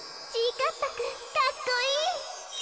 かっぱくんかっこいい。